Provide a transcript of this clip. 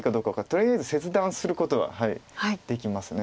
とりあえず切断することはできます。